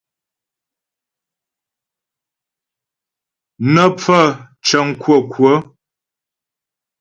Nə́ pfaə̂ cəŋ kwə́kwə́.